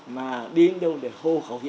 mà đi đến đâu để hô khẩu